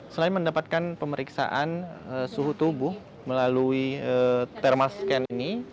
selain mendapatkan pemeriksaan suhu tubuh melalui thermal scan ini